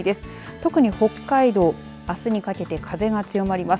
特に北海道あすにかけて風が強まります。